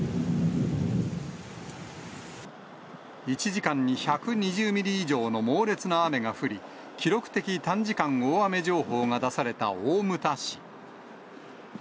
１時間に１２０ミリ以上の猛烈な雨が降り、記録的短時間大雨情報が出された大牟田市。